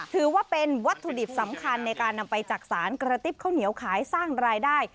ถือว่าเป็นวัตถุดิบสำคัญในการนำไปจักษานกระติ๊บข้าวเหนียวขายสร้างรายได้